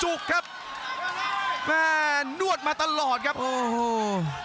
ครับแม่นวดมาตลอดครับโอ้โห